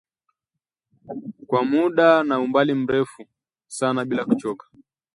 kwa muda na umbali mrefu sana bila kuchoka